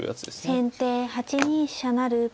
先手８二飛車成。